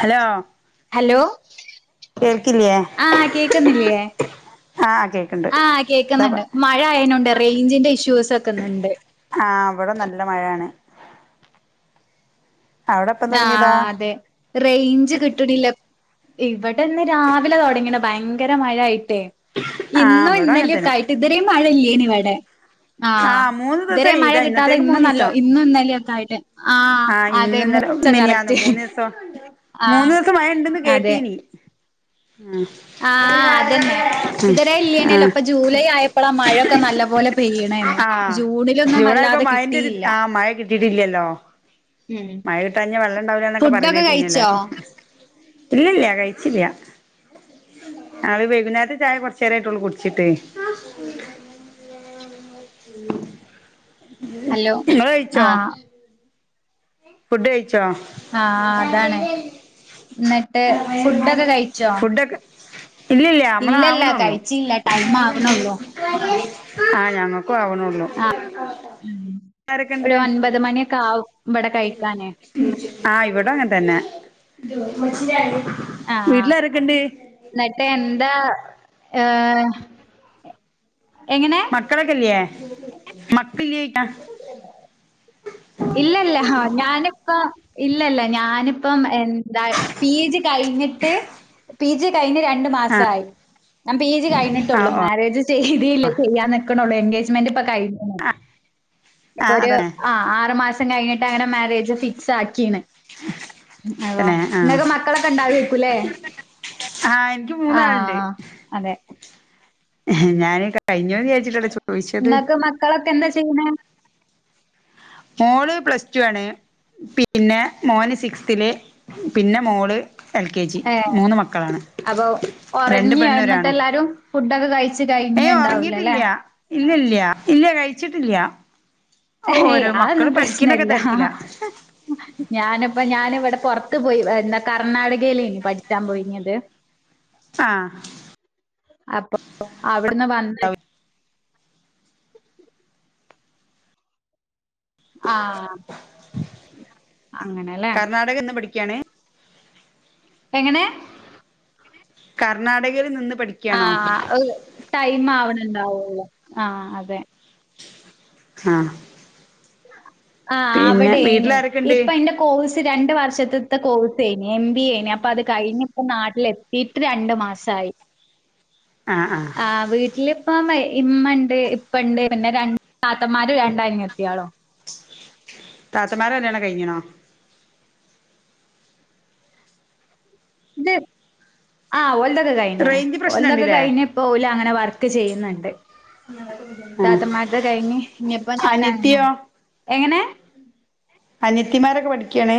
Hello hello കേൾക്കില്ലേ ആഹ് കേക്കുന്നില്ല്യേ ആഹ് കേക്ക്‌ണ്ട് ആഹ് കേക്കുന്നുണ്ട് മഴയായനോണ്ട് റേഞ്ചിന്റെ ഇഷ്യൂസൊക്ക്‌ന്ന്ണ്ട് ആഹ് ഇവിടെ നല്ല മഴയാണ് അവിടെ എപ്പം തുടങ്ങിയതാ ആഹ് അതെ റേഞ്ച് കിട്ട്ണില്ല ഇവിടെന്ന് രാവിലെ തൊടങ്ങീണ് ഭയങ്കര മഴയായിട്ടേ ആഹ് ഇന്നും ഇവിടെ അങ്ങനെ തന്നെ ഇന്നലെയൊക്കായിട്ട് ഇതരീം മഴയില്ലേനിവിടെ ആഹ് മൂന്ന് ഇതരേം ദിവസായി മഴ ഇതാ കിട്ടാതെ ഇന്നത്തേക്ക് ഇന്നും നല്ല മൂന്നീസം ഇന്നും ഇന്നലെയൊക്കായിട്ട് ആഹ് ഇന്ന്ന്നലെ മിനിന്നാന്നും മൂന്നിസം മൂന്നു ആഹ് ദിവസം മഴ ഇണ്ട്ന്ന് കേട്ടീനി ആഹ് ആ അതന്നെ ഇതര ഇല്ലേനല്ലോ ആഹ് ഇപ്പൊ ജൂലൈ ആയപ്പളാ മഴയൊക്കെ നല്ല പോലെ പെയ്യണേന്ന് ആഹ് ജൂണിലൊന്നും ജൂണായപ്പൊ വല്ലാതെ മഴന്റൊരു കിട്ടിയില്ല ആ മഴ കിട്ടിട്ടില്ലല്ലോ ഉം മഴ കിട്ടാഞ്ഞ വെള്ളണ്ടാവില്ലന്നൊക്കെ ഫുഡൊക്കെ പറേണകേട്ടീന് കഴിച്ചോ എല്ലാരും ഇല്ലില്ല കഴിച്ചില്ല ഞങ്ങള് വൈകുന്നേരത്ത് ചായ കുറച്ചേരായിട്ടുള്ളൂ കുടിച്ചിട്ട് ഹലോ ഇങ്ങള് കയിച്ചോ ആഹ് ഫുഡ് കയിച്ചോ ആഹ് ആഹ് അതാണ് ഇന്നിട്ട് ഫുഡൊക്കെ കയിച്ചോ ഇവിടൊക്കെ ഇല്ലില്ല നമ്മളാവുന്നുള്ളൂ കഴിച്ചില്ല ടൈം ആവണുള്ളൂ ആഹ് ഞങ്ങൾക്കും ആവ്ണുള്ളു ആഹ് ആരൊക്ക്‌ണ്ട് ഒരു ഒൻപത് മണിയൊക്കെ ആവും ഇവിടെ കഴിക്കാന് ആഹ് ഇവിടങ്ങനെ തന്നെ ആഹ് വീട്ടിലാരൊക്കെണ്ട് ഇന്നിട്ടെന്താ ഏഹ് എങ്ങനെ മക്കളൊക്കില്ല്യേ മക്കളില്ല്യേയിക്ക [unintelligible] ഇല്ലല്ല ഞാനിപ്പ ഇല്ലല്ല ഞാന് ഇപ്പം എന്താ പി ജി കയിഞ്ഞിട്ട് പി ജി കയിഞ്ഞ് രണ്ട് ആ മാസായി ഞാൻ പി ജി ആ കയിഞ്ഞിട്ടുള്ളൂ ഓ മാരേജ് ചെയ്തില്ല ചെയ്യൻ ന്ക്ക്‌ണോള്ളു എൻഗേജ്മെന്റ്പ്പൊ കയിഞ്ഞൂള്ളു ആ ആ ഇപ്പോരു അതന്നെ ആ ആറ് മാസം കഴിഞ്ഞിട്ടങ്ങന മാരേജ് ഫിക്സാക്കിയാണ് തന്നെ ആ ഇങ്ങക്ക് മക്കളൊക്ക്‌ണ്ടാവ്ആയിരിക്കൂല്ലേ ആഹ് എനിക്ക് മൂന്നാള്ണ്ട് അതെ ഞാന് കയിഞ്ഞൂന്ന് വിചാരിച്ചിട്ടാട്ടാ ചോയിച്ചത് മക്കളൊക്കെന്താ ചെയ്യുന്നെ മോള് പ്ലസ് ടു ആണ് പിന്നെ മോന് സിക്സ്ത്തില് പിന്നെ മോള് എൽ കെ ജി ഏഹ്. മൂന്ന് മക്കളാണ് അപ്പൊ രണ്ട് ഒറങ്ങിയാ പെണ്ണും ഒരാണും എന്നിട്ടെല്ലാരും ഫുഡൊക്കെ കഴിച്ച് കഴിഞ്ഞ്ണ്ടാവൂലല്ലേ ഇല്ലില്ല ഇല്ല കയിച്ചിട്ടില്ല ഹേയ് അതൊന്നും പഠിക്കണൊക്കെ പ്രശ്നില്ല തിരക്കില ഞാനിപ്പോ ഞാനിവിടെ പൊറത്ത് പോയി എന്താ കർണാടകയിലേഞ്ഞു പഠിച്ചാൻ പോയിഞ്ഞത് [inaudible] ആഹ് അപ്പൊ അവിടുന്ന് വന്നി ആഹ് അങ്ങനെല്ലേ ആടെക്കിര്ന്ന് പഠിക്ക്‌ആണ് എങ്ങനെ കർണാടകയിൽ നിന്ന് പഠി ആഹ് അഹ് ടൈമ് ആവണണ്ടാവൊള്ളൂ ആഹ് അതെ ആഹ് ആഹ് പിന്നെ വീട്ടിൽ അവടെയ്നി ആരൊക്കെ ഉണ്ട് ഇപ്പ ന്റെ കോഴ്സ് രണ്ട് വർഷത്ത്ത്തെ കോഴ്സെയ്‌ന് എം ബി എയ്ന് അപ്പത് കഴിഞ്ഞ് ഇപ്പ നാട്ടില് എത്തി [unintelligible] രണ്ട് മാസായി ആഹ് ആഹ് ആഹ് വീട്ടിലിപ്പം ഇമ്മ ണ്ട് ഇപ്പ ണ്ട് പിന്നെ രണ്ട് താത്തന്മാര് രണ്ടനിയത്യാളും താത്തമാരെ കല്യാണം കഴിഞ്‌ണോ ഇത് ആഹ് ഓലതൊക്കെ കഴിഞ്ഞ്ണ് റേഞ്ച് പ്രശ്നം ഓലതൊക്കെ ഉണ്ടല്ലേ കഴിഞ്ഞ് പ്പൊ ഓലങ്ങനെ വർക്ക് ചെയ്യ്ന്ന്ണ്ട് ആഹ് താത്തമാര്ടെ കഴിഞ്ഞ് ഇനിപ്പ ഞാനാള്ളെ അനിയത്തിയോ എങ്ങനെ അനിയത്തിമാരൊക്കെ പഠിക്ക്യാണ്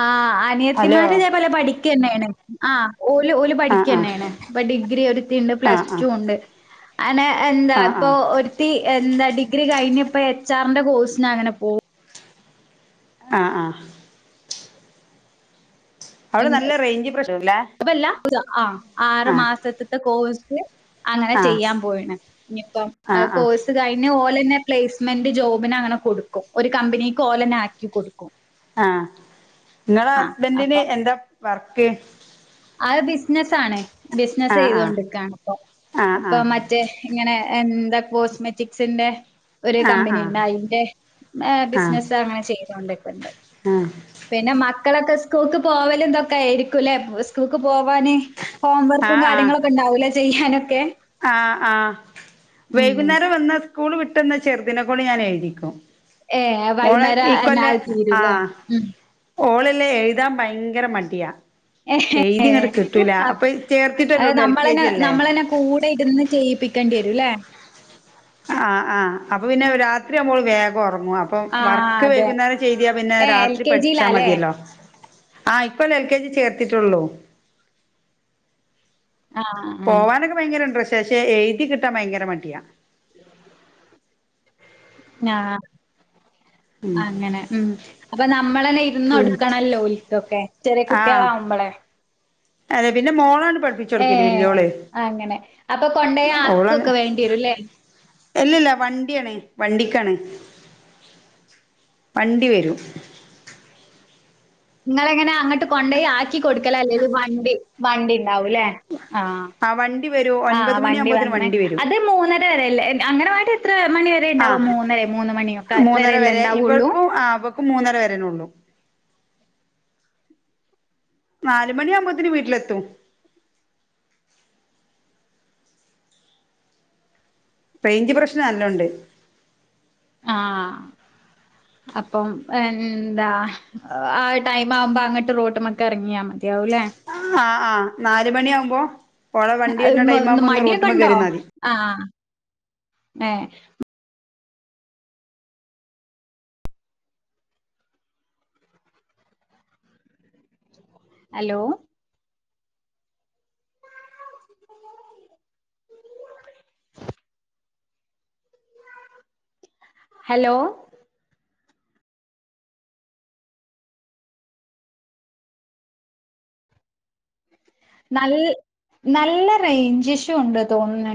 ആഹ് ഹലോ അനിയത്തിമാര് ഇതേപോലെ പഠിക്ക്യന്നേണ് ആഹ് ഓല് ഓല് ആഹ് ആഹ് പഠിക്ക്യന്നെണ് ഇപ്പൊ ഡിഗ്രി ഒരുത്തിണ്ട് ആഹ് പ്ലസ് ടു ണ്ട് അനെ എന്താ ആഹ് ഇപ്പോ ആഹ് ഒരുത്തി എന്താ ഡിഗ്രി കയിഞ്ഞ് പ്പോ എച്ച് ആറിന്റെ കോഴ്സിന് അങ്ങനെ പോവും ആഹ് ആഹ് അവിടെ പിന്ന നല്ല റേഞ്ച് പ്രശ്നല്ലേ പ്പല്ല ആഹ് ആറ് ആഹ് മാസത്ത് കോഴ്സ് അങ്ങനെ ആഹ് ചെയ്യാൻ പോയിണ് ഇനിപ്പം ആ ആഹ് ആഹ് കോഴ്സ് കഴിഞ്ഞ് ഓലന്നെ പ്ലേസ്മെന്റ് ജോബിന് അങ്ങനെ കൊടുക്കും ഒരു കമ്പനീക്ക് ഓലന്നെ ആക്കി കൊടുക്കും ആഹ് ങ്ങളെ ആ ഹസ്ബന്റിന് അപ്പം എന്താ വർക്ക് അത് ബിസ്നസ്സാണ് ബിസിനസ്സ് ആഹ് ആഹ് ചെയ്തോണ്ട്ക്കാണ് പ്പൊ ആഹ് അപ്പൊ ആഹ് മ റ്റേ ങ്ങനെ എന്താ കോസ്മെറ്റിക്സിന്റെ ഒരു കമ്പനിണ്ട് ആഹ് അയ്ന്റെ ഏഹ് ആഹ് ആഹ് ബിസിനസ്സ് അങ്ങനെ ചെയ്തൊണ്ടിക്ക്ണ്ട് ആഹ് പിന്നെ മക്കളൊക്കെ സ്കൂൾക്ക് പോവലും തൊക്കെ ആയിരിക്കുംലേ സ് സ്കൂൾക്ക് പോവാന് ഹോം വർക്കും ആഹ് ആഹ് കാര്യങ്ങളൊക്കെ ണ്ടാവൂലെ ചെയ്യാനൊക്കെ ആഹ് ആഹ് ഉം വൈകുന്നേരം വന്ന സ്കൂൾ വിട്ടന്ന ചെർതിനെക്കൊണ്ട് ഞാനെയ്തിക്കും ഏഹ് മോള് വൈകുന്നേരം ഈ എന്നാ കൊല്ല് അത് തീരുംല്ലേ? ആഹ് ഉം. ഓളല്ലേ എഴ്താൻ ഭയങ്കര മട്യ ഏഹ് ഹേ അ ചേർത്തിട്ടല്ലേള്ളൂ എൽ കെ നമ്മളെന്നേ ജി അല്ലേ നമ്മളെന്നെ കൂടെ ഇരുന്ന് ചെയ്യിപ്പിക്കണ്ട്യരും ലെ ആഹ് ആഹ് അപ്പൊ പിന്നെ രാത്രിയാമ്പോൾ വേ ഒറങ്ങും അപ്പം ആഹ് വർക്ക് അതെ. വൈകുന്നേരം ചെയ്തിയാ പിന്നെ ഏഹ് എൽ രാത്രി കെ പഠിച്ചാ ജിയിലാല്ലേ? മതിയല്ലോ ആഹ് ഇക്കൊല്ലം എൽ കെ ജി ചേർത്തിട്ടുള്ളൂ ആഹ് ആഹ്. പോവാനൊക്കെ ഭയങ്കര ഇൻട്രസ്റ്റാ ക്ഷേ എയ്തി കിട്ടാൻ ഭയങ്കര മടിയാ ഞാ അങ്ങനെ മ് അപ്പൊ നമ്മളന്നെ ഉം ഇരുന്നോട്ക്കണല്ലോ ഓൽക്കൊക്കെ ചെറിയെ ആഹ് കുട്ട്യാളാവുമ്പള് അതെ പിന്നെ മോളാണ് പഠിപ്പിച്ചു കൊടുക്കല് ഏഹ് വല്യോള് അങ്ങനെ അപ്പൊ കൊണ്ടയാക്കൊക്കെ വേണ്ടിയെരും ല്ലേ എല്ലെല്ല വണ്ട്യണ് വണ്ടിക്കാണ് വണ്ടി വെരും ഇങ്ങളെങ്ങനാ അങ്ങട്ട് കൊണ്ടയ് ആക്കി കൊടുക്കല അല്ലേൽ വണ്ടി വണ്ടി ണ്ടാവൂലേ ആഹ് വണ്ടി വരും ആ ഒൻപത് വണ്ടി മണിയാകുമ്പോത്തിന് വന്ന് വരും അത് മൂന്നര വരെല്ലേ അങ്ങനട്ട് എത്ര മണി വെരെ ഇണ്ടാവ ആഹ് മൂന്നരെ മൂന്ന് മണിയൊക്ക വെരല്ലേ ഇണ്ടാവൊള്ളൂ ക്ക് മൂന്നരവെരെന്നെള്ളൂ നാല് മണി ആവുമ്പോത്തിന് വീട്ടിലെത്തും റേയിഞ്ച് പ്രശ്നം നല്ലോണ്ട് ആഹ് അപ്പം എന്താ ആ ടൈം ആവുമ്പോ അങ്ങട്ട് റോട്ട്മ്മക്ക് എറങ്ങ്യ മതിയാവുല്ലേ ആ ആ നാല് മണിആവുമ്പോ ഓള വണ്ടി വരുന്ന ടൈം ആവുമ്പോ ഒന്ന് റോട്ടുമ്മ ക്കേറിന്നതി. ആഹാ ഏഹേ ഹലോ ഹലോ നൽ നല്ല റേഞ്ച് ഇഷ്യൂ ഉണ്ട് തോന്നുന്ന്